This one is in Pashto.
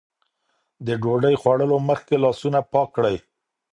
د ډوډۍ خوړلو مخکې لاسونه پاک کړئ.